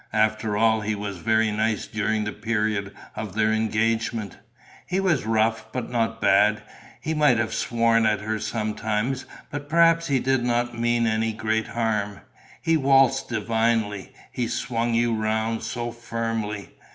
After all, he was very nice during the period of their engagement. He was rough, but not bad. He might have sworn at her sometimes, but perhaps he did not mean any great harm. He waltzed divinely, he swung you round so firmly....